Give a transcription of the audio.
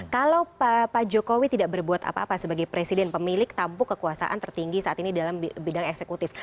kalau pak jokowi tidak berbuat apa apa sebagai presiden pemilik tampuk kekuasaan tertinggi saat ini dalam bidang eksekutif